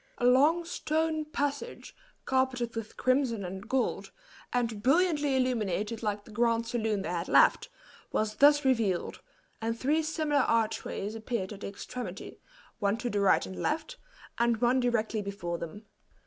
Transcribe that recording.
A long stone passage, carpeted with crimson and gold, and brilliantly illuminated like the grand saloon they had left, was thus revealed, and three similar archways appeared at the extremity, one to the right and left, and one directly before them.